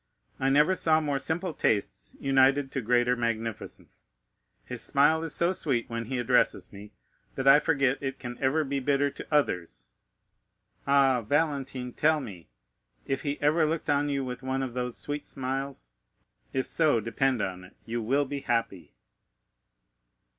I never saw more simple tastes united to greater magnificence. His smile is so sweet when he addresses me, that I forget it ever can be bitter to others. Ah, Valentine, tell me, if he ever looked on you with one of those sweet smiles? if so, depend on it, you will be happy."